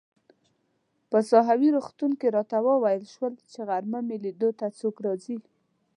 په ساحوي روغتون کې راته وویل شول چي غرمه مې لیدو ته څوک راځي.